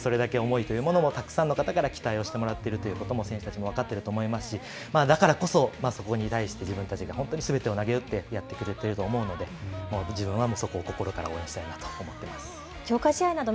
たくさんの方から期待をしてもらっているということも分かっていると思いますしだからこそ、そこに対して自分たちが全てをなげうってやってくれていると思うので、自分はそこを心から応援したいなと思います。